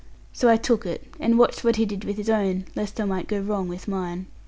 So I took it, and watched what he did with his own, lest I might go wrong about mine.